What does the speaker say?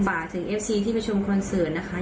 ฝากถึงเอฟซีที่ประชุมคอนเสิร์ตนะคะ